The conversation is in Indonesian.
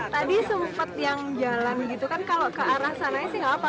tadi sempet yang jalan gitu kan kalau ke arah sananya sih nggak apa apa